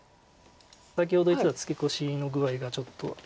先ほど言ってたツケコシの具合がちょっとあって。